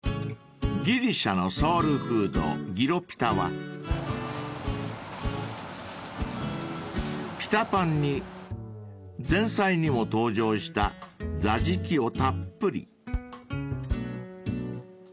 ［ギリシャのソウルフードギロピタはピタパンに前菜にも登場したザジキをたっぷり］